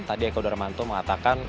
tadi eko darmanto mengatakan